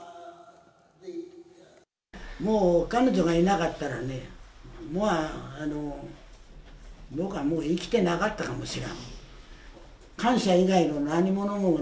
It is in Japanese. もう、彼女がいなかったらね、もう、僕はもう生きてなかったかもしれん。